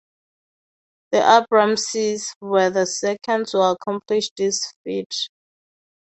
The Abramses were the second to accomplish this feat.